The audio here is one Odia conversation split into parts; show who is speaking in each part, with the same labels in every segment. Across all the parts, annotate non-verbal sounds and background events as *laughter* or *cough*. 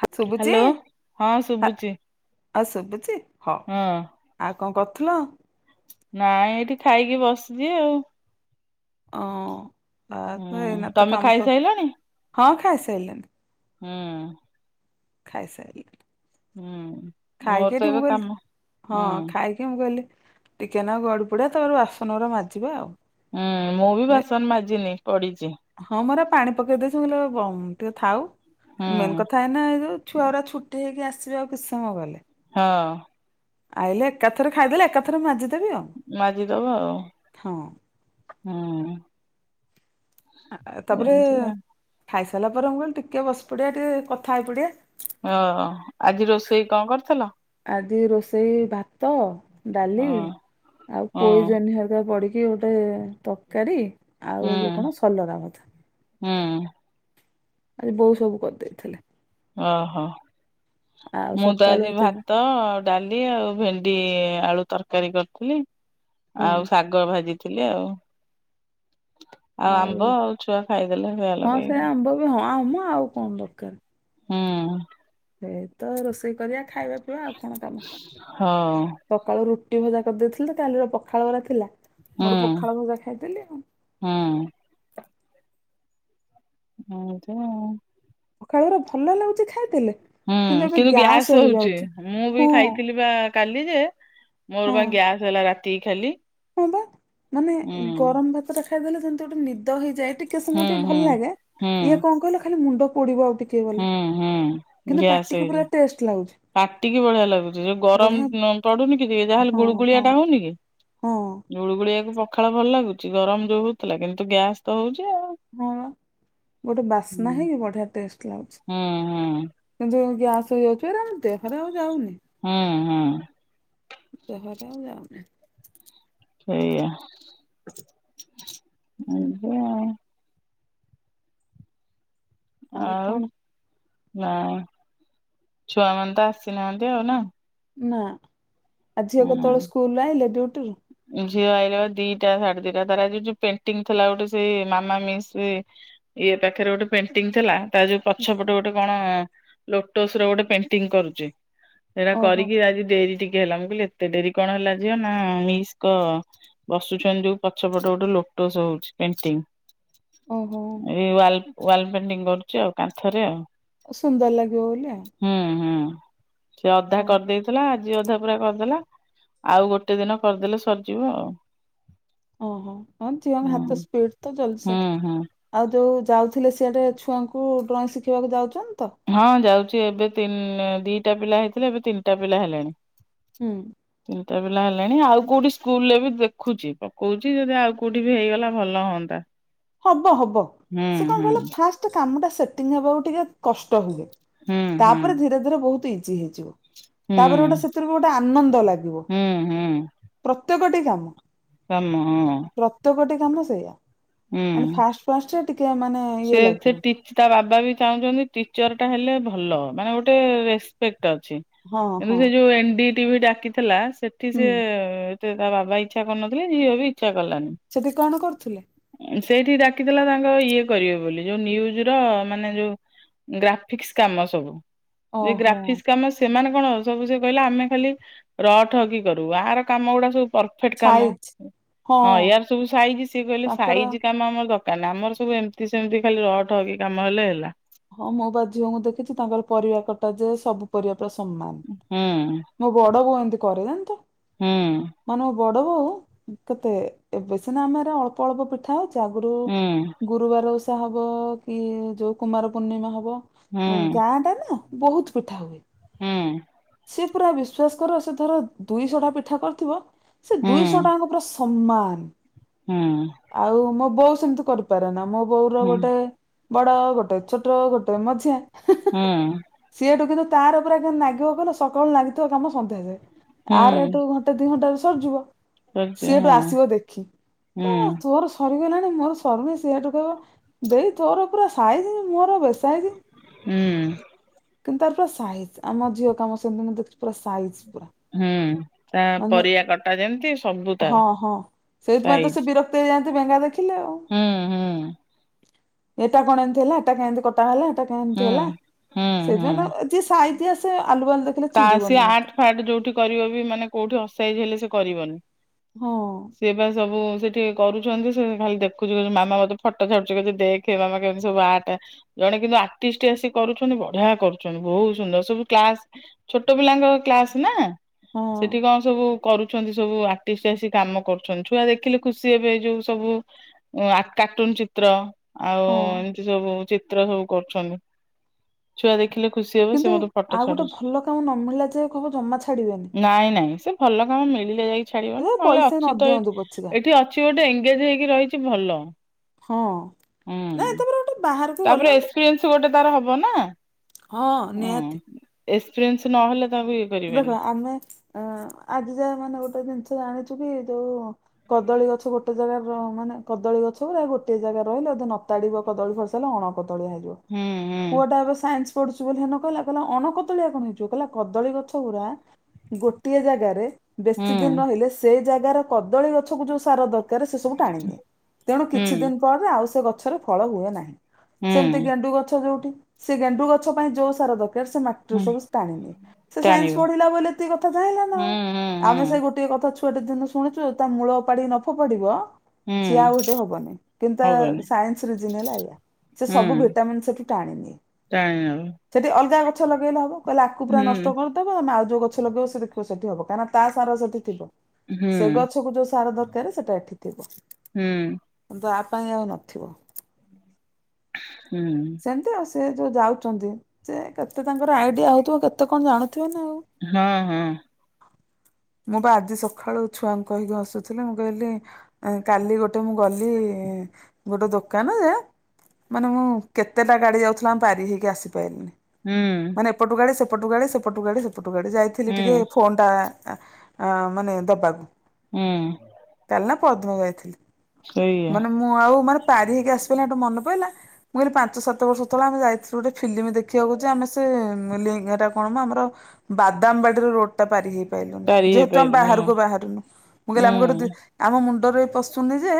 Speaker 1: ହା, ଶୁଭୁଚି,
Speaker 2: ହ୍ୟାଲୋ ହଁ
Speaker 1: ହା
Speaker 2: ଶୁଭୁଛି
Speaker 1: ଆଉ ଶୁଭୁଛି ହଁ। ଆଉ କଣ କରୁଥୁଲ?
Speaker 2: ନାଇଁ ଏଇଠି ଖାଇକି ବସିଚି ଆଉ।
Speaker 1: ଅଁ, ଆ, ତ
Speaker 2: ହୁଁ
Speaker 1: ଏଇନା ତ
Speaker 2: ତମେ
Speaker 1: କାମ
Speaker 2: ଖାଇସାଇଲଣି
Speaker 1: ସ- ହଁ ଖାଇସାଇଲିନି।
Speaker 2: ହଁ।
Speaker 1: ଖାଇସାରି
Speaker 2: ମୋର
Speaker 1: ଖାଇକି
Speaker 2: ତ
Speaker 1: ଏଇଠି ମୁଁ
Speaker 2: ଏବେ
Speaker 1: କହିଲି ଟା,
Speaker 2: କାମ ହୁଁ
Speaker 1: ହଁ ଖାଇକି ମୁଁ କହଲିି ଟିକେ ନା ଗଡି ପଡିବା ତାପରେ ବାସନ ଅରା ମାଜିବା ଆଉ।
Speaker 2: ଉଁ, ମୁଁ ବି
Speaker 1: ଏ
Speaker 2: ବାସନ ମାଜିିନି।
Speaker 1: ହଁ ମୋର ପାଣି ପକେଇ ଦେଇଛି ମୁଁ କହିଲି ଆ ବଉଁ ଟିକେ ଥାଉ
Speaker 2: ହୁଁ
Speaker 1: ମେନ୍ କଥା ଏଇନା ଏଇ ଯୋଉ ଛୁଆଉରା ଛୁଟି ହେଇକି ଆସିବେ ଆଉ କିସ ସମୟ ଗଲେ।
Speaker 2: ହଁ।
Speaker 1: ଆଇଲେ ଏକାଥରେ ଖାଇଦେଲେ ଏକାଥରେ ମାଜି ଦେ
Speaker 2: ମାଜିଦବ। ହଁ।
Speaker 1: ହଁ ଏ ତାପରେ
Speaker 2: ଏମିତି ଆଉ।
Speaker 1: ଖାଇ ସାରିଲା ପରେ ମୁଁ କହିଲି ଟିକେ ବସି ପଡିବା ଟିକେ କଥା ହେଇ ପଡିବା।
Speaker 2: ଓ ଆଜି ରୋଷେଇ କଣ କରିଥିଲ?
Speaker 1: ଆଜି ରୋଷେଇ ଭାତ, ଡାଲି,
Speaker 2: ହଁ
Speaker 1: ଆଉ
Speaker 2: ହଁ
Speaker 1: ପୋଇ ଜହ୍ନି ହେରକା ପଡି କି ଗୋଟେ ତରକାରୀ। ଆଉ ଏ ଯୋଉ କଣ ସଲରା ଭତା।
Speaker 2: ହଁ।
Speaker 1: ଆଜି ବୋଉ ସବୁ କରିଦେଇଥିଲେ।
Speaker 2: ଓ ହୋ।
Speaker 1: ଆଉ
Speaker 2: ମୁଁ ତ
Speaker 1: ସକାଳୁ
Speaker 2: ଆଜି
Speaker 1: ହେଇଥିଲା
Speaker 2: ଭାତ, ଆଉ ଡାଲି ଆଉ ଭେଣ୍ଡି ଆଳୁ ତରକାରୀ କରିଥିଲି,
Speaker 1: ହଁ
Speaker 2: ଆଉ ଶାଗ ଭାଜିଥିଲି ଆଉ। ଆଉ ଆମ୍ବ ଆଉ ଛୁଆ ଖାଇଦେଲେ ସେଆ
Speaker 1: ହଁ
Speaker 2: ଲଗେଇ
Speaker 1: ସେ
Speaker 2: ନା।
Speaker 1: ଆମ୍ବ ବି ଆମ ହଁ ଆଉ କଣ ଦରକାର?
Speaker 2: ହଁ।
Speaker 1: ଏ ତ ରୋଷେଇ କରିବା ଖାଇବା ପିଇବା ଆଉ କଣ କାମ।
Speaker 2: ହଉ
Speaker 1: ସକାଳୁ ରୁ ଟି ଭଜା କରିଦେଇଥିଲ ତ, କାଲିର ପଖାଳ ଅରା ଥିଲା।
Speaker 2: ହୁଁ
Speaker 1: ମୋର ପଖାଳ ଭଜା ଖାଇଦେଲି ଆଉ।
Speaker 2: ହୁଁ ହଁ ତ ଆଉ।
Speaker 1: ପଖାଳଟା ଭଲ ଲାଗୁଛି ଖାଇଦେଲେ।
Speaker 2: ହୁଁ କିନ୍ତୁ ଗ୍ୟାସ୍ ହଉଛି ମୁଁ ବି
Speaker 1: ହଁ
Speaker 2: ଖାଇଥିଲି ବା କାଲି ଯେ ମୋର ବା
Speaker 1: ହଁ
Speaker 2: ଗ୍ୟାସ୍ ହେଲା ରାତି ଖାଲି।
Speaker 1: ହଁ ପା ମାନେ
Speaker 2: ହୁଁ
Speaker 1: ଗରମ ଭାତ ଟା ଖାଇଦେଲେ ଯେମତି ଗୋଟେ ନିଦ ହେଇଯାଏ ଟିକେ ସମୟ
Speaker 2: ହୁଁ
Speaker 1: ଟିକେ
Speaker 2: ହୁଁ।
Speaker 1: ଭଲ ଲାଗେ
Speaker 2: ହୁଁ
Speaker 1: ଇଏ କଣ କହିଲେ ଖାଲି ମୁଣ୍ଡ ପୋଡିବ ଆଉ
Speaker 2: ହୁଁ ହୁଁ
Speaker 1: କିନ୍ତୁ
Speaker 2: ଗ୍ୟାସ୍
Speaker 1: ପାଟିକି
Speaker 2: ହେଇଛି।
Speaker 1: ପୁର ଟେଷ୍ଟ ଲାଗୁଛି।
Speaker 2: ପାଟିକି ବଢିଆ ଲାଗୁଛି ଯୋଉ
Speaker 1: ବଢିଆ
Speaker 2: ଗରମ ପଡୁନି କି ଟିକେ ଯାହାହେଲେ
Speaker 1: ହଁ ହଁ
Speaker 2: ଗୁଳୁଗୁଳିଆ ଟା ହଉନି କି?
Speaker 1: ହଁ ହଁ
Speaker 2: ଗୁଳୁଗୁଳିଆକୁ ପଖାଳ ଭଲ ଲାଗୁଛି ଗରମ ଯୋଉ ହଉଥିଲା କିନ୍ତୁ ଗ୍ୟାସ୍ ତ ହଉଛି। ଆଉ।
Speaker 1: ହଁ ପା ଗୋଟେ ବାସ୍ନା ହେଇକି ବଢିଆ ଟେଷ୍ଟ ଲା
Speaker 2: ହୁଁ ହୁଁ।
Speaker 1: ଗ୍ୟାସ୍ ହେଇଯାଉଛି ଏରା ଦେହରେ ଆଉ ଯାଉନି।
Speaker 2: ହୁଁ ହୁଁ
Speaker 1: ଦେହରେ ଆଉ ଯାଉନି।
Speaker 2: ସେଇଆ ହେବେ ଆଉ
Speaker 1: ଆଉ କଣ
Speaker 2: ନା ଛୁଆ ମାନେ ତ ଆସିନାହାନ୍ତି ଆଉ ନା?
Speaker 1: ନା ଆ ଝିଅ କେତେବେଳେ ସ୍କୁଲରୁ ଆଇଲେ ଡିଉଟିରୁୁ?
Speaker 2: ଝିଅ ଆଇଲା ଦିଟା ସାଢେ ଦିଟା ତାର ଯ ଯଉ ପେଣ୍ଟିଙ୍ଗ ଥିଲା ଗୋଟେ ସେଇ ମାମା ମିସ୍ ଇଏ ପାଖରେ ଗୋଟେ ପେଣ୍ଟିଂ ଥିଲା ତା ଯୋଉ ପଛପଟେ ଗୋଟେ କଣ ଲୋଟସ ର ଗୋଟେ ପେଣ୍ଟିଙ୍ଗ କରୁଛି। ସେଇଟା
Speaker 1: ଓହୋ
Speaker 2: କରିକି ଆଜି ଡେରି ଟିକେ ହେଲା ମୁଁ କହିଲି ଏତେ ଡେରି କଣ ହେଲା ଝିଅ ନା ମିସ୍ କ ବସୁଛନ୍ତି ପଛପଟ ଗୋଟେ ଲୋଟୋସ ହଉଛି ପେଣ୍ଟି।
Speaker 1: ଓ ହୋଉ।
Speaker 2: ୱାଲ ପେଣ୍ଟିଙ୍ଗ କରୁଚି ଆଉ କାନ୍ଥ ରେ ଆଉ।
Speaker 1: ସୁନ୍ଦର ଲାଗିବ ବୋଲି ଆଉ।
Speaker 2: ହୁଁ ହୁଁ ସେ ଅଧା କରିଦେଇଥିଲା ଆଜି ଅଧା ପୁରା କରିଦେଲା ଆଉ ଗୋଟେ ଦିନ କରିଦେଲେ ସରିଯିବ ଆଉ।
Speaker 1: ଓହୋ ହଁ ଝିଅଙ୍କ
Speaker 2: ହୁଁ
Speaker 1: ହାତ ସ୍ପିଡ ତ ଜଲଦି
Speaker 2: ହୁଁ ହୁଁ।
Speaker 1: ସରିବ ଆଉ ଯୋଉ ଯାଉଥିଲେ ସିଆଡ଼େ ଛୁଆଙ୍କୁ ଡ୍ରଇଂ ଶିଖିବାକୁ ଯାଉଛନ୍ତି। ତ
Speaker 2: ହଁ ଯାଉଛି ଏବେତି ଦିଟା ପିଲା ହେଇଥିଲେ ଏବେ ତିନିଟା ପିଲା ହେଲାଣି।
Speaker 1: ହୁଁ।
Speaker 2: ଦୁଇଟା ପିଲା ହେଲେଣି ଆଉ କୋଉଠି ସ୍କୁଲ ରେ ବି ଦେଖୁଛି ପକଉଛି ଯଦି ଆଉ କୋଉଠି ବି ହେଇଗଲା ଭଲ ହୁଅନ୍ତା।
Speaker 1: ହବ ହବ
Speaker 2: ହୁଁ
Speaker 1: ସେ କଣ
Speaker 2: ହୁଁ
Speaker 1: କହିଲ ଫାଷ୍ଟ କାମ ଟା ସେଟିଂ ହେବାକୁ ଟିକେ କଷ୍ଟ ହୁଏ।
Speaker 2: ହୁଁ ହୁଁ
Speaker 1: ତାପରେ ଧୀରେ ଧୀରେ ବହୁତ ଇଜି ହେଇ
Speaker 2: ହୁଁ
Speaker 1: ତାପରେ ଗୋଟେ ସେଥିରୁ ବି ଗୋଟେ ଆନନ୍ଦ ଲାଗିବ
Speaker 2: ହୁଁ ହୁଁ
Speaker 1: ପ୍ରତ୍ୟେକଟି କାମ।
Speaker 2: କାମ ହଁ।
Speaker 1: ପ୍ରତ୍ୟେକଟି କାମ ସେଇଆ।
Speaker 2: ହୁଁ
Speaker 1: ମାନେ ଫାଷ୍ଟ ଫାଷ୍ଟରେ ଟିକେ ମାନେ ଇଏ
Speaker 2: ସେ ସେ
Speaker 1: ଲାଗିବ
Speaker 2: ତା ବାବା ବି ଚାହୁଁଛନ୍ତି ଟିଚର ଟା ହେଲେ ଭଲ ମାନେ ଗୋଟେ ରେସପେଣ୍ଟ ଅଛି
Speaker 1: ହଁ ହଁ।
Speaker 2: *unintelligible* ଟିଭି ଡାକିଥିଲା ସେଠି
Speaker 1: ହୁଁ।
Speaker 2: ସେ ଏ ତା ବାବା ଇଚ୍ଛା କରୁନଥିଲେ ଝିଅବି ଇଚ୍ଛା କଲାନି।
Speaker 1: ଥିଲେ।
Speaker 2: ସେଇଠି ଡାକିଥିଲା ତାଙ୍କ ଇଏ କରିବେ ବୋଲି ଯୋଉ ନିଉଜ ର ମାନେ ଯୋଉ ଗ୍ରାଫିକ୍ସ କାମ ସବୁ ଯଉ
Speaker 1: ଓହୋ
Speaker 2: ଗ୍ରାଫିକ୍ସ କାମ ସେମାନେ କଣ ସବୁ ସେ କହିଲା ଆମେ ଖାଲି ର ଠକି କରୁ ଆର କାମ ଗୁଡା ସବୁ ପରଫେକ୍ଟ କାମ
Speaker 1: ସାଇଜ
Speaker 2: ହଁ ୟାର ସବୁ ସାଇଜ ସିଏ କହିଲେ
Speaker 1: ତାଙ୍କର
Speaker 2: ସାଇଜ କାମ ର ଦରକାର ନାହିଁ ଆମର ସବୁ ଏମିତି ସେମିତି ଖାଲି ରହ ଠକି କାମ ହେଲେ ହେଲା।
Speaker 1: ହଁ ମୋ ପା ଝିଅଙ୍କୁ ଦେଖିଛି ତାଙ୍କର ପରିବା କଟା ଯେ ସବୁ ପରିବା
Speaker 2: ହୁଁ
Speaker 1: ସମ୍ମାନ ମୋ ବଡ ବୋଉ ଏମିତି କରେ ଜାଣିଛ?
Speaker 2: ହୁଁ।
Speaker 1: ମାନେ ମୋ ବଡ ବୋଉ କେତେ ଏବେ ସିନା ଆମେ ଅଳ୍ପ ଅଳ୍ପ ପିଠା ଅଉଛି? ତା ଆଗରୁ
Speaker 2: ହୁଁ
Speaker 1: ଗୁରୁବାର ଓଷା ହବ କି ଯୋଉ କୁମାର ପୂର୍ଣ୍ଣିମା ହବ
Speaker 2: ହୁଁ
Speaker 1: ଗାଁ ଟା ନା ବହୁତ ପିଠା ହୁଏ।
Speaker 2: ହୁଁ।
Speaker 1: ସିଏ ପୁରା ବିଶ୍ଵାସ କର ସେ ଧର ଦୁଇଶହ ଟା ପିଠା କରିଥିବ, ସେ
Speaker 2: ହୁଁ
Speaker 1: ଦୁଇଶହ ଟାଙ୍କ ପୁରା ସମାନ।
Speaker 2: ହୁଁ
Speaker 1: ଆଉ ମୋ ବୋଉ ସେମିତି କରିପାରେ ନା। ମୋ ବୋଉର
Speaker 2: ହୁଁ
Speaker 1: ଗୋଟେ ବଡ ଗୋଟେ ଛୋଟ ଗୋଟେ ମଝିଆ।
Speaker 2: ହୁଁ।
Speaker 1: ସେଇଠୁ କିନ୍ତୁ ତାର ଉପରେ ଲାଗିବ କହିଲ ସକାଳୁ ଲାଗିଥିବା କାମ ସନ୍ଧ୍ୟା ଯାଏ। ଆର
Speaker 2: ହୁଁ
Speaker 1: ଏଠୁ ଘଣ୍ଟେ ଦି ଘଣ୍ଟା ସରିଯିବ।
Speaker 2: କରିଚି
Speaker 1: ସେ ହେଠୁ
Speaker 2: ହଁ
Speaker 1: ଆସିବ ଦେଖି।
Speaker 2: ହୁଁ
Speaker 1: କହିବ ତୋର ସରିଗଲା ମୋର ସରୁନି। ସିଏ ହେଠୁ କହିବ ଦେଇ ତୋର ପୁରା ସାଇଜ୍ ମୋର ବେସା
Speaker 2: ହୁଁ।
Speaker 1: କିନ୍ତୁ ତାର ପୁରା ସାଇଜ୍। ଆମ ଝିଅ କାମ ସେମିତି ଦେଖିଚି ପୁରା ସାଇଜ୍।
Speaker 2: ହୁଁ। ତା ପରିବା କଟା ଯେମିତି ସବୁ
Speaker 1: ହଁ
Speaker 2: ତାର।
Speaker 1: ହଁ ସେଇଥିପାଇଁ ତ ସେ
Speaker 2: ସାଇଜ
Speaker 1: ବିରକ୍ତ ହେଇଯାନ୍ତି ବେଙ୍ଗା ଦେଖିଲେ। ଆଉ।
Speaker 2: ହୁଁ ହୁଁ।
Speaker 1: ଏଟା କଣ ଏମିତି ହେଲା ହେଟା କାଇଁ ଏମିତି କଟା ହେଲା। ଏଟା କାଇଁ ଏମିତି
Speaker 2: ହୁଁ
Speaker 1: ହେଲା।
Speaker 2: ହୁଁ ହୁଁ
Speaker 1: ସେଇଥିପାଇଁ *unintelligible* ଯିଏ ସାଇତି ଆସେ
Speaker 2: ତା ସିଏ ଆଟ୍ ଫାଟ୍ ଯୋଉଠି କରିବ ବି ମାନେ କୋଉଠି ଅସାଇଜ ହେଲେ ସେ କରିବନି।
Speaker 1: ହଁ
Speaker 2: ସିଏ ବା ସବୁ ସେଠି ଟିକେ କରୁଚନ୍ତି ସେ ଖାଲି ଦେଖୁଛି ମାମା ମୋତେ ଫଟୋ ଛାଡୁଚି ଦେଖେ ମାମା କେମିତି ସବୁ ଆର୍ଟ ଜଣେ କିନ୍ତୁ ଆଟିଷ୍ଟ ଆସି କରୁଛନ୍ତି ବଢିଆ କରୁଛନ୍ତି। ବହୁତ ସୁନ୍ଦର ସବୁ କ୍ଲାସ ଛୋଟ ପିଲାଙ୍କ କ୍ଲାସ ନା
Speaker 1: ହଁ
Speaker 2: ସେଠି କଣ ସବୁ କରୁଚନ୍ତି ସବୁ ଆଟିଷ୍ଟ ଆସି କାମ କରୁଚନ୍ତି। ଛୁଆ ଦେଖିଲେ ଖୁସି ହେବେ ଏ ଯୋଉ ସବୁ ଆ କାର୍ଟୁନ ଚିତ୍ର ଆଉ
Speaker 1: ହଁ।
Speaker 2: ଏମିତି ସବୁ ଚିତ୍ର ସବୁ କରୁଚନ୍ତି। ଛୁଆ ଦେଖିଲେ ଖୁସି ହେବେ। ସେ ମୋତେ ଫଟୋ ଛାଡୁଚି।
Speaker 1: ତାଙ୍କୁ ନମିଳିଲା ଯାଏ କହିବ ଜମା ଛାଡିବେନି।
Speaker 2: ନାଇଁ ନାଇଁ ସେ ଭଲ କାମ ମିଳିଲେ ଯାଇକି ଛାଡିବ ନା।
Speaker 1: ଏ
Speaker 2: ନହେଲେ
Speaker 1: ପଇସା ନ
Speaker 2: ଅଛି ତ ଏ
Speaker 1: ଦିଅନ୍ତୁ ପଛିକା
Speaker 2: ଏଇଠି ଅଛି ଗୋଟେ ଇ ଏନ୍ଗେଜ୍ ହେଇକି ରହିଛି ଭଲ।
Speaker 1: ହଁ। ନାଇଁ
Speaker 2: ହୁଁ
Speaker 1: ତାପରେ ଗୋଟେ ବାହାର
Speaker 2: ତାପରେ ଏକ୍ସପିରିଏନ୍ସ ଗୋଟେ ତାର ହବ ନା।
Speaker 1: ହଁ
Speaker 2: ହୁଁ
Speaker 1: ନିହାତି।
Speaker 2: ଏକ୍ସପିରିଏନ୍ସ ନହେଲେ ତାକୁ ଇଏ କରିବେନି
Speaker 1: ଦେଖ ଆମେ ଅ ଆଜି ଯାଏ ମାନେ ଗୋଟେ ଜିନିଷ ଜାଣିଚୁ ଯୋଉ କଦଳୀ ଗଛ ଗୋଟେ ଜାଗା ର ମାନେ କଦଳୀ ଗଛ ଗୁରା ଗୋଟେ ଜାଗା ରହିଲେ ନ ତାଡ଼ିବ କଦଳୀ ଫସଲ ଅଣ କଦଳୀଆ ହେଇଯିବ।
Speaker 2: ହୁଁ
Speaker 1: ପୁଅଟା ଏବେ ସାଇନ୍ସ ପଢୁଛି ବୋଲି ସିନା କହିଲା। କହିଲା ଅଣକଦଳୀଆ କଣ ହେଇଯିବ। କହିଲା କଦଳୀ ଗଛ ଗୁଡ଼ା ଗୋଟିଏ ଜାଗାରେ
Speaker 2: ହୁଁ
Speaker 1: ବେଶୀ ଦିନ ରହିଲେ ସେ ଜାଗାର କଦଳୀ ଗଛ କୁ ଯଉ ସାର ଦରକାର ସେ ସବୁ ଟାଣି ନିଏ। ତେଣୁ
Speaker 2: ହୁଁ
Speaker 1: କିଛି ଦିନ୍ ପରେ ଆଉ ସେ ଗ ଗଛରେ ଫଳ ହୁଏ ନାହିଁ।
Speaker 2: ହୁଁ
Speaker 1: ସେମିତି
Speaker 2: ହୁଁ
Speaker 1: ଗେଣ୍ଡୁ ଗଛ ଯୋଉଠି ସେ ଗେଣ୍ଡୁ ଗଛ ପାଇଁ ଯୋଉ ସାର ଦରକା ର, ସେ ମାଟିରୁ
Speaker 2: ହୁଁ
Speaker 1: ସବୁ ଟାଣିନିଏ। ସେ ସାଇନ୍ସ
Speaker 2: ଟାଣିବ
Speaker 1: ପଢିଲା ବୋଲି ଏତିକି କଥା ଜାଇଁଲା ନା।
Speaker 2: ହୁଁ
Speaker 1: ଆଉ
Speaker 2: ହୁଁ ହୁଁ
Speaker 1: ଆମେ ସେ ଗୋଟିଏ କ ଥା ଛୁଆଟି ଦିନୁ ଶୁଣିଚୁ ତା ମୂଳ ଉପାଡି ନ ଫୋପାଡିବ ସିଏ ଆଉ
Speaker 2: ହୁଁ
Speaker 1: ହେଟେ ହବନି। କିନ୍ତୁ
Speaker 2: ହବନି
Speaker 1: ସାଇନ୍ସନ୍ ରିଜିନ୍ ହେଲା ଏଇଆ। ସେ
Speaker 2: ହୁଁ
Speaker 1: ସବୁ ଭିଟାମିିନ ସେଠୁ ଟାଣିନିଏ।
Speaker 2: ଟାଣି ନବ
Speaker 1: ସେଠି ଅଲଗା ଗ ଗଛ ଲଗେଇଲେ ହବ। କହିଲେ ଆକୁ ପୁରା
Speaker 2: ହୁଁ
Speaker 1: ନଷ୍ଟ କରିଦବ ଆଉ ଯଉ ଗଛ ଲଗେଇବ ସେ ଦେଖିବ ସେଠି ହବ। କାରଣ ତା ସାର ସେଠି ଥିବ।
Speaker 2: ହୁଁ
Speaker 1: ସେ ଗଛକୁ ଯୋଉ ସାର ଦରକାର ସେଟା ଏଠି ଥିବ।
Speaker 2: ହୁଁ
Speaker 1: କିନ୍ତୁ ଆ ପାଇଁ ଆଉ ନଥିବ।
Speaker 2: ହୁଁ।
Speaker 1: ସେମିତି ଆଉ ସେ ଯୋଉ ଯାଉଚନ୍ତି ସେ କେତେ ତାଙ୍କର ଆଇଡିଆ ହଉଥିବ କେତେ କଣ ଜାଣୁ
Speaker 2: ହଁ ହଁ।
Speaker 1: ମୁଁ ବା ଆଜି ସକାଳୁ ଛୁଆଙ୍କୁ କହିକି ହସୁଥିଲି ମୁଁ କହିଲି କାଲି ଗୋଟେ ମୁଁ ଗଲି। ଗୋଟେ ଦୋକାନ ଯେ ମାନେ ମୁଁ କେତେ ଟା ଗାଡି ଯାଉଥିଲା ଆମେ ପାରି ହେଇକି ଆସି ପାଇଲୁନି
Speaker 2: ହୁଁ
Speaker 1: ମାନେ ଏପଟୁ ଗାଡି ସେପଟୁ ଗାଡି ସେପଟୁ ଗାଡି‌ ସେ ପଟୁ ଗଡି ଯାଇଥିଲି
Speaker 2: ହୁଁ
Speaker 1: ଟିକେ ଫୋନ ଟା ଆ ମାନେ ଦବାକୁ।
Speaker 2: ହୁଁ।
Speaker 1: କାଲି ନାଟ ପର ଦିନ ଯାଇଥିଲି
Speaker 2: ସେଇଆ
Speaker 1: ମାନେ ମୁଁ ଆଉ ମାନେ ପାରି ହେଇକି ଆସିିପାଇଲିନି ହେଟୁ ମନେ ପଇଲା। ମୁଁ କହିଲି ପାଞ୍ଚ ସାତ ବର୍ଷ ତଳେ ଆମେ ଯାଇଥିଲୁ ଗୋଟେ ଫିଲ୍ମ ଦେଖିବାକୁ ଯେ ଆମେ ସେ ଲି ଟା କଣ ମ ଆମର ବାଦାମ ବାଡି ରେ ରୋଡ ଟା ପାରି ହେଇ
Speaker 2: ପାରି
Speaker 1: ପାଇଲୁନି ଯେହେତୁ ଆମେ
Speaker 2: ହେଇପାରିଲୁନୁ
Speaker 1: ବାହାରକୁ ବାହାରିନୁ। ମୁଁ କହିଲି
Speaker 2: ହୁଁ
Speaker 1: ଆମ ଗୋଟେ ଦି ଆମ ମୁଣ୍ଡରେ ପଶୁନି ଯେ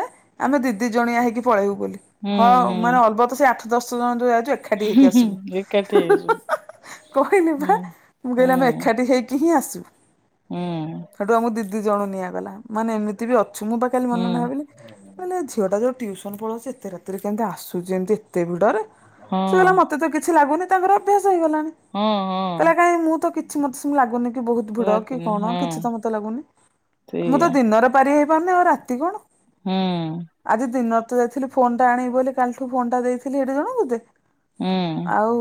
Speaker 1: ଆମେ ଦି ଦି ଜଣିଆ ହେଇକି ପଳେଇବୁ। ବୋଲି
Speaker 2: ହୁଁ
Speaker 1: ହଁ
Speaker 2: ହୁଁ
Speaker 1: ମାନେ ଅଲ୍ ବତ ସେଇ ଆଠ ଦଶ ଜଣ ଯୋଉ ଯାଇଛୁ ଏକାଠି ହେଇକି ଆସିବୁ।
Speaker 2: ହୁଁ ଏକାଠି ହେଇ ଯିବୁ।
Speaker 1: କହିଲି ବା ମୁଁ କହିଲି ଆମେ ଏକାଠି ହେଇକି ହିଁ ଆସିବୁ
Speaker 2: ହୁଁ
Speaker 1: ସେଠୁ ଆମକୁ ଦିଦି ଦି ଜଣୁ ନିଆଗଲା ମାନେ ଏମିତି ବି ଅଛୁ ମୁଁ ବା କାଲି ମନେ
Speaker 2: ହୁଁ
Speaker 1: ମନେ ଭାବିଲି ମୁଁ କଇଲି ଏ ଝିଅଟା ଯୋଉ ଟିଉ ସନକୁ ଫଳଉଛି ଏତେ ରାତିରେ କେମତି ଆସୁଛି ଏମତି ଏତେ ଭିଡରେ
Speaker 2: ହଁ
Speaker 1: ସେ କହିଲା ମତେ ତ କିଛି ଲାଗୁନି ତାଙ୍କର ଅଭ୍ୟାସ। ହେଇଗଲାଣି
Speaker 2: ହଁ ହଁ
Speaker 1: କହିଲା କାଇଁ ମୁଁ ତ କିଛି ମତେ ସେମିତି ଲାଗୁନି। କି ବହୁତ ଭିଡ କି
Speaker 2: ଲାଗୁନି
Speaker 1: କଣ
Speaker 2: ହଁ
Speaker 1: କିଛି ତ ମତେ ଲାଗୁନି ମୁଁ ତ
Speaker 2: ସେଇଆ
Speaker 1: ଦିନରେ ପାରି ହେଇପାରୁନି ଆଉ ରାତି କଣ।
Speaker 2: ହୁଁ।
Speaker 1: ଆଜି ଦିନରେ ତ ଯାଇଥିଲି ଫୋନ ଟା ଆଣିବି ବୋଲି କାଲିଠୁ ଫୋନ ଟା ଦେଇଥିଲି ସେଇଠି ଜଣକୁ ଯେ।
Speaker 2: ହୁଁ
Speaker 1: ଆଉ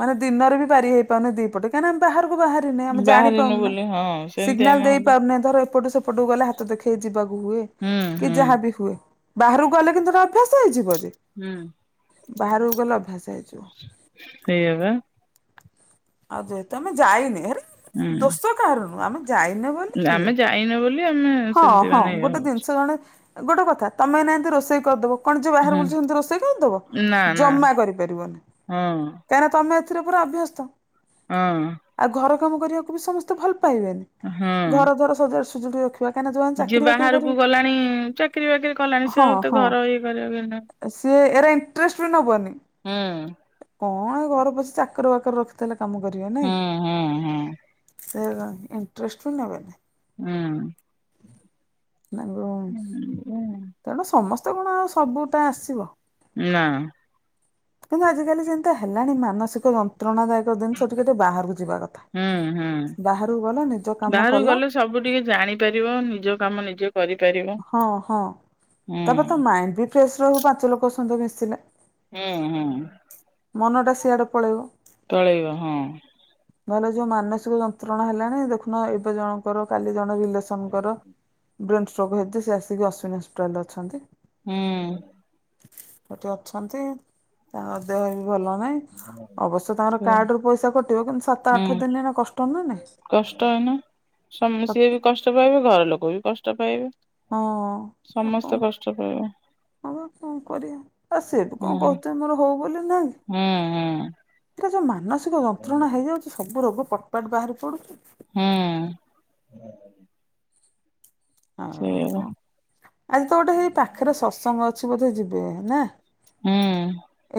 Speaker 1: ମାନେ ଦିନରେ ବି ପାରି ହେଇପାରୁନି ଦି ପଟେ କାଇଁନା ଆମ ବାହାରୁ- କୁ ବାହାରିନେ ଆମେ ଜାଣି
Speaker 2: ବାହାରିନୁ
Speaker 1: ପାରୁନେ।
Speaker 2: ବୋଲି ହଁ ସେମିତି
Speaker 1: ସିଗ୍ନାଲ
Speaker 2: ଆମେ
Speaker 1: ଦେଇ
Speaker 2: ହବା
Speaker 1: ପାରୁନି ଧର ଏପଟୁ ସେପଟକୁ ଗଲେ ହାତ ଦେଖେଇ ଯିବାକୁ ହୁଏ
Speaker 2: ହୁଁ
Speaker 1: କି
Speaker 2: ହୁଁ
Speaker 1: ଯାହା ବିି ହୁଏ। ବାହାରୁକୁ ଗଲେ କିନ୍ତୁ ସେଇଟା ଅଭ୍ୟାସ ହେଇଯିବ।
Speaker 2: ହୁଁ
Speaker 1: ବାହାରୁକୁ ଗଲେ ଅଭ୍ୟାସ ହେଇଯିବ।
Speaker 2: ସେଇଆ ବା
Speaker 1: ଆଉ ଯେହେତୁ ଆମେ ଯାଇନେ ‌ହାରି
Speaker 2: ହୁଁ
Speaker 1: ଦୋଷ କାହାର ନୁଏ ଆମେ ଯାଇନେ ବୋଲି
Speaker 2: ଆମେ
Speaker 1: ଇଏ।
Speaker 2: ଯାଇନୁ ବୋଲି ଆମେ
Speaker 1: ହଁ
Speaker 2: ସେମିତି
Speaker 1: ହଁ
Speaker 2: ମାନେ ଇଏ
Speaker 1: ଗୋଟେ
Speaker 2: ହଉଛୁ
Speaker 1: ଜିନିଷ ଜଣେ ଗୋଟେ କଥା ତମେ ଏନା ଏମତି ରୋଷେଇ କରିଦବ। କଣ ଯିଏ ବାହାରେ
Speaker 2: ହୁଁ
Speaker 1: ବୁଲଛି ସେମତି ରୋଷେଇ କରି ଦବ
Speaker 2: ନା ନା
Speaker 1: ଜମା କରିପାରିବନି
Speaker 2: ହଁ
Speaker 1: କାଇଁ ନା ତମେ। ଏଥିରେ ପୁରା ଅଭ୍ୟସ୍ତ।
Speaker 2: ହଁ ‌।
Speaker 1: ଆଉ ଘର କାମ କରିବାକୁ ବି ସମସ୍ତେ ଭଲ ପାଇବେନି
Speaker 2: ହଁ
Speaker 1: ଘର ଦ୍ୱାର ସଜାଡି ଶୁଯୁଡି ର
Speaker 2: ଯିଏ ବାହାରକୁ ଗଲାଣି ଚାକିରି ବାକିରି କଲାଣି ସେ
Speaker 1: ହଁ
Speaker 2: ଆଉ ଏତେ
Speaker 1: ହଁ
Speaker 2: ଘର ଇଏ କରିବାକୁ
Speaker 1: ସିଏ ଏରା ଇଣ୍ଟରେଷ୍ଟ ବି ନବନି।
Speaker 2: ହୁଁ।
Speaker 1: କଁ ଏ ଘରେ ପସିି ଚାକର ବାକର ରଖିଦେଲେ କାମ କରିବେ ନାଇଁ
Speaker 2: ହୁଁ ହୁଁ ହୁଁ
Speaker 1: କି। ଏ ରା ଇଣ୍ଟରେଷ୍ଟ ବି ନବେନି।
Speaker 2: ଉଁ।
Speaker 1: ତାଙ୍କୁ
Speaker 2: ହୁଁ।
Speaker 1: ତେଣୁ ସମସ୍ତେ କଣ ଆଉ ସବୁ ଟା ଆସିବ।
Speaker 2: ନା।
Speaker 1: କିନ୍ତୁ ଆଜିକାଲି ଯେମିତିଆ ହେଲାଣି ମାନସିକ ଯନ୍ତ୍ରଣା ଦାୟକ ଦିନସ ଟିକେ ଟିକେ ବାହାରକୁ ଯିବା କଥା।
Speaker 2: ହୁଁ ହୁଁ।
Speaker 1: ବାହାରୁକୁ ଗଲ ନିଜ କାମ କଲ।
Speaker 2: ଫେରିବ ନିଜ କାମ ନିଜେ। କରିପାରିବ।
Speaker 1: ହଁ ହଁ
Speaker 2: ହୁଁ
Speaker 1: ତାପରେ ତା ପରେ ତମ ମାଇଣ୍ଡ ବି ଫ୍ରେଶ ରହିବ ପାଞ୍ଚ ଲୋକଙ୍କ ସହିତ ମିଶିଲେ।
Speaker 2: ହଁ ହୁଁ।
Speaker 1: ମନଟା ସିଆଡେ ପଳେଇବ।
Speaker 2: ଚଳେଇବ ହଁ
Speaker 1: ନହେଲେ ଯୋଉ ମାନସିକ ଯନ୍ତ୍ରଣା ହେଲାଣି ଦେଖୁନ ଏବେ ଜଣଙ୍କର କାଲି ଜଣେ ରିଲେସନଙ୍କର। ବ୍ରେନ ଷ୍ଟ୍ରୋକ୍ ହେଇଛି ଯେ ସେ ଆସିକି ଅଶ୍ୱିନ ହସ୍ପିଟାଲ ରେ ଅଛନ୍ତି।
Speaker 2: ହୁଁ।
Speaker 1: ସେଠି ଅଛନ୍ତି ତାଙ୍କ ଦେହ ବି ଭଲ ନାଇଁ ଅବଶ୍ୟ ତାଙ୍କର
Speaker 2: ହୁଁ
Speaker 1: କାର୍ଡରୁ ପଇସା କଟିବ କିନ୍ତୁ ସାତ ଆଠଦିନ ଏନେ କଷ୍ଟ ନୁହଁ ନା
Speaker 2: କଷ୍ଟ ହଇନା ସମେ ସିଏ ବି କଷ୍ଟ ପାଇବେ ଘର ଲୋକ ବି କଷ୍ଟ ପାଇବେ।
Speaker 1: ହଁ
Speaker 2: ସମସ୍ତେ କଷ୍ଟ ପାଇବେ।
Speaker 1: ହଁ ବା କଣ କରିଆ ଆ ସିଏ ବି
Speaker 2: ହୁଁ
Speaker 1: କଣ କହୁଥିବେ ମୋର ହଉ ବୋଲି ନାଇଁ।
Speaker 2: ହୁଁ ହୁଁ
Speaker 1: ଏ ଯଉ ମାନସିକ ଯନ୍ତ୍ରଣା ହେଇଯାଉଛି ସବୁ ରୋଗ ପଟପାଟ ବାହାରି ପଡୁଛି।
Speaker 2: ହୁଁ।
Speaker 1: ଆଉ
Speaker 2: ସେଇଆ ବା
Speaker 1: କଁ? ଆଜି ତ ଗୋଟେ ହେଇ ପାଖରେ ସତସଙ୍ଗ ଅଛି ବୋଧେ ଯିବେ ନା?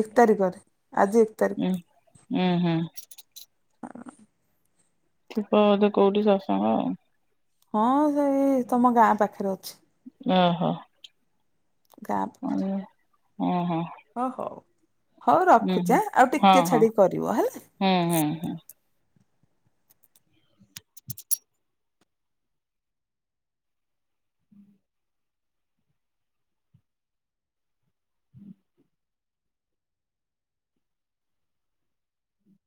Speaker 1: ଏକ ତାରିଖରେ ଆଜି ଏକ ତାରିଖ।
Speaker 2: ଉଁ ହୁଁ।
Speaker 1: ହ।
Speaker 2: ଥିବ ବୋଧେ କୋଉଠି ସତସଙ୍ଗ?
Speaker 1: ହଁ ସେଇ ତମ ଗାଁ ପାଖରେ ଅଛି।
Speaker 2: ଓହୋ।
Speaker 1: ଗାଁ ପାଖରେ।
Speaker 2: ଉଁ ହୋ।
Speaker 1: ଓ ହଉ। ହଉ ରଖୁଚି
Speaker 2: ହୁଁ
Speaker 1: ଆଁ ଆଉ
Speaker 2: ହୁଁ ହଁ
Speaker 1: ଟିକେ
Speaker 2: ହଁ
Speaker 1: ଛାଡ଼ି କରିବ ହେଲା।
Speaker 2: ହୁଁ ହୁଁ ହୁଁ *inaudible*